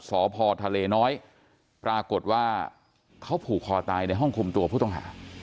สพทะเลน้อยปรากฏว่าเขาผูกคอตายในห้องคุมตัวผู้ต้องหา